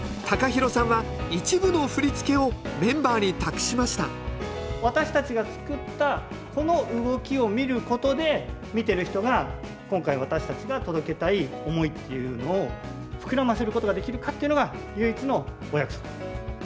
ＴＡＫＡＨＩＲＯさんは一部の振り付けをメンバーに託しました私たちが作ったこの動きを見ることで見ている人が今回私たちが届けたい思いっていうのを膨らませることができるかっていうのが唯一のお約束。